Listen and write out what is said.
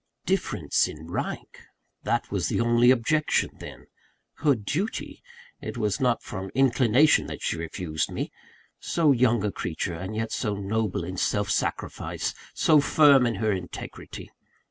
"Difference in rank," that was the only objection then! "Her duty" it was not from inclination that she refused me! So young a creature; and yet so noble in self sacrifice, so firm in her integrity!